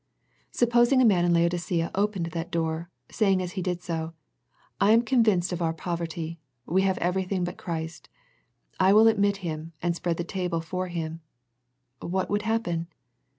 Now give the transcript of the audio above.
Supposing a man in Laodicea opened that door, saying as he did so " I am convinced of our poverty. We have everything but Christ. I will admit Him, and spread the table for Him," what would happen